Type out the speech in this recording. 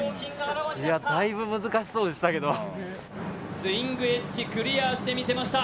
いやだいぶ難しそうでしたけどスイングエッジクリアしてみせました